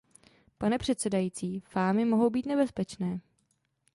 Pane předsedající, fámy mohou být nebezpečné.